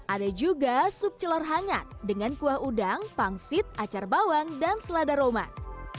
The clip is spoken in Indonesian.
ada juga sup celor hangat dengan kuah udang pangsit acar bawang dan selada roman